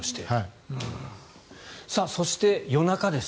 そして、夜中です。